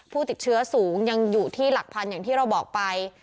ผู้ติดเชื้อสูงยังอยู่ที่หลักพันอย่างที่เราบอกไป